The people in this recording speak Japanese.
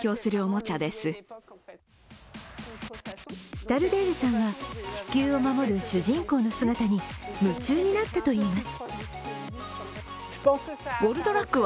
スタルデールさんは地球を守る主人公の姿に夢中になったといいます。